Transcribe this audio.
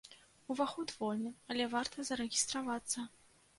Уваход вольны, але варта зарэгістравацца.